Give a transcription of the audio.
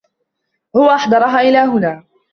هو أحضرها إلى هنا.